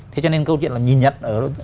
thế cho nên câu chuyện là nhìn nhận